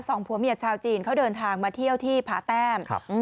สองผัวเมียชาวจีนเขาเดินทางมาเที่ยวที่ผาแต้มครับ